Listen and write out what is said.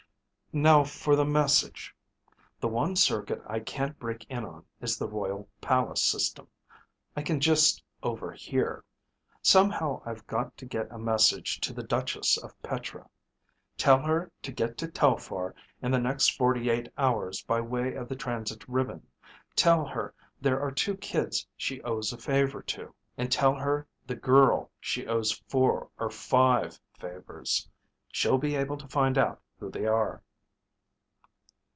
"Now for the message. The one circuit I can't break in on is the Royal Palace system. I can just overhear. Somehow I've got to get a message to the Duchess of Petra. Tell her to get to Telphar in the next forty eight hours by way of the transit ribbon. Tell her there are two kids she owes a favor to. And tell her the girl she owes four or five favors. She'll be able to find out who they are."